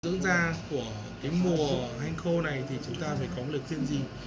dưỡng da của cái mùa hanh khô này thì chúng ta phải có một lực riêng gì